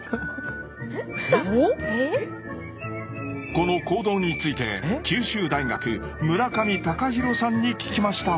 この行動について九州大学村上貴弘さんに聞きました。